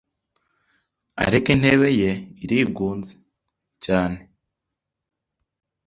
ariko intebe ye irigunze cyane